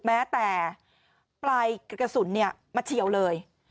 แม้แต่ปลายกระสุนมาเฉียวเลย